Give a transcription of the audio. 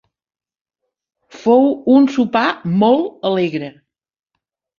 Fou un sopar molt alegre.